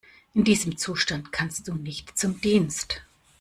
In diesem Zustand kannst du nicht zum Dienst.